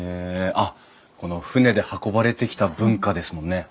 あっこの船で運ばれてきた文化ですもんね。